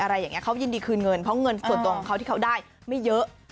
อะไรอย่างนี้เขายินดีคืนเงินเพราะเงินส่วนตัวของเขาที่เขาได้ไม่เยอะ